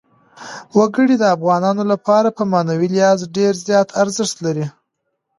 وګړي د افغانانو لپاره په معنوي لحاظ ډېر زیات ارزښت لري.